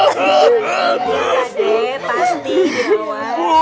pak deng pasti dirawat